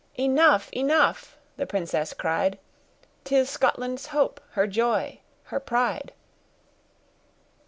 "Enough, enough!" the princess cried, "'Tis Scotland's hope, her joy, her pride!"